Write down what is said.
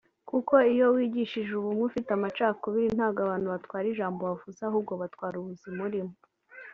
kuko iyo wigishije ubumwe ufite amacakubiri ntabwo abantu batwara ijambo wavuze ahubwo batwara ubuzima urimo